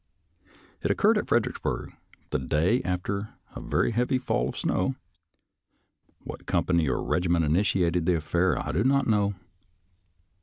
It occurred at Fredericksburg, the day after a very heavy fall of snow. What company or regiment IN AND AROUND RICHMOND 103 initiated the affair, I do not know.